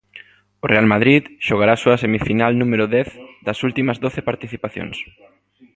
O Real Madrid xogará a súa semifinal número dez das últimas doce participacións.